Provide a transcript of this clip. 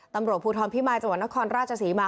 ตำรวจภูทรพิมายจังหวัดนครราชศรีมา